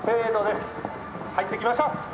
入ってきました。